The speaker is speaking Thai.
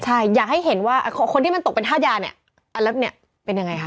ใช่อยากให้เห็นว่าคนที่มันตกเป็นห้ายานเนี่ย